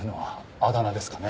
あだ名ですかね？